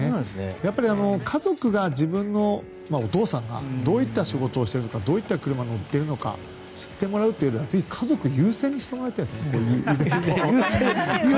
やっぱり家族が自分のお父さんがどういった仕事をしているのかどういった車に乗っているか知ってもらうというのでぜひ、家族優先に知ってもらいたいですね。